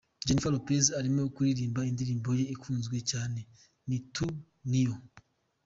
Jennifer Lopez arimo kuririmba indirimbo ye ikunzwe cyane Ni Tu Ni Yo.